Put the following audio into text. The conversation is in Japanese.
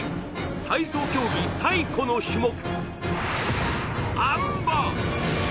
体操競技最古の種目・あん馬。